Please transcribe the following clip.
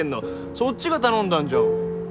そっちが頼んだんじゃん。